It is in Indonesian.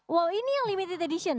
wah ini yang limited edition